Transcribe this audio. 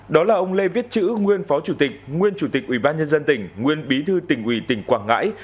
đó là ông lê viết chữ nguyên phó chủ tịch nguyên chủ tịch ủy ban nhân dân tỉnh nguyên bí thư tỉnh ủy tỉnh quảng ngãi